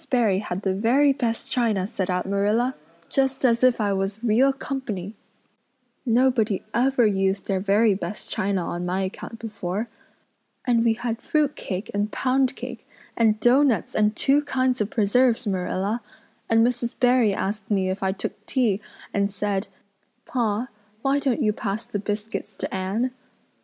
Barry had the very best china set out, Marilla, just as if I was real company. I can't tell you what a thrill it gave me. Nobody ever used their very best china on my account before. And we had fruit cake and pound cake and doughnuts and two kinds of preserves, Marilla. And Mrs. Barry asked me if I took tea and said 'Pa, why don't you pass the biscuits to Anne?